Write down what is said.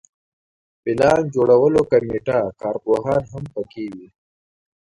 پلان جوړولو کمیټه کارپوهان هم په کې وي.